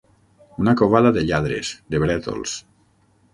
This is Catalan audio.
Una covada de lladres, de brètols.